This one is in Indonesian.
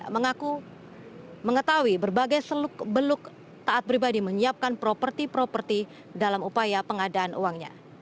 mengaku mengetahui berbagai seluk beluk taat pribadi menyiapkan properti properti dalam upaya pengadaan uangnya